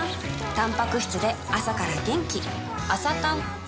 たんぱく質で朝から元気